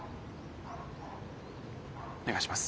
お願いします。